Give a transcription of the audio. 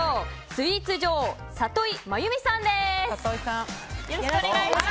スイーツ女王里井真由美さんです。